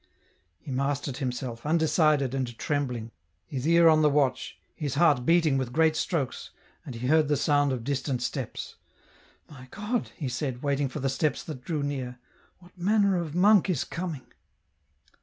He mastered himself, undecided and trembling, his ear on the watch, his heart beating with great strokes, and he heard the sound of distant steps. " My God," he said, waiting for the steps that drew near, " what manner of monk is coming